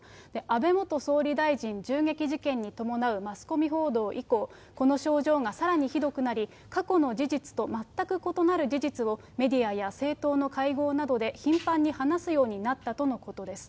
安倍元総理大臣銃撃事件に伴うマスコミ報道以降、この症状がさらにひどくなり、過去の事実と全く異なる事実を、メディアや政党の会合などで頻繁に話すようになったとのことです。